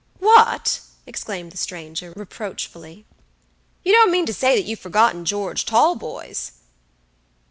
"What!" exclaimed the stranger, reproachfully. "You don't mean to say that you've forgotten George Talboys?"